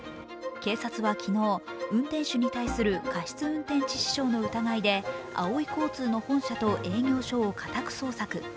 警察は昨日、運転手に対する過失運転致死傷の疑いであおい交通の本社と営業所を家宅捜索。